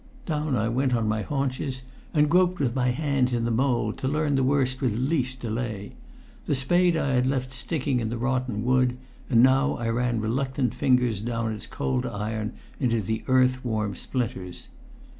Down I went on my haunches, and groped with my hands in the mould, to learn the worst with least delay. The spade I had left sticking in the rotten wood, and now I ran reluctant fingers down its cold iron into the earth warm splinters.